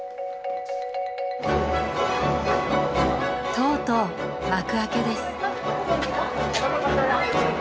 とうとう幕開けです